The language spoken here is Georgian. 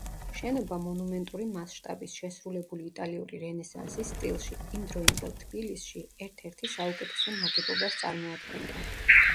შენობა მონუმენტური მასშტაბის, შესრულებული იტალიური რენესანსის სტილში, იმ დროინდელ თბილისში ერთ-ერთი საუკეთესო ნაგებობას წარმოადგენდა.